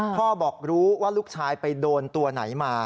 พ่อบอกรู้ว่าลูกชายไปโดนตัวไหนมา